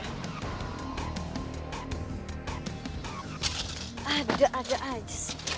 ada ada aja sih